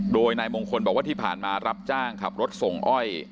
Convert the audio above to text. โดยนายมงคลบอกว่าที่ผ่านมารับจ้างขับรถส่งอ้อย